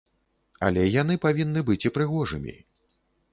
Але яны павінны быць і прыгожымі.